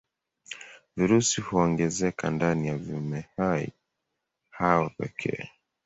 Virusi huongezeka ndani ya viumbehai hao pekee.